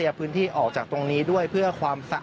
มาดูบรรจากาศมาดูความเคลื่อนไหวที่บริเวณหน้าสูตรการค้า